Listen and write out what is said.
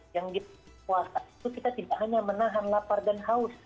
yang di puasa itu kita tidak hanya menahan lapar dan haus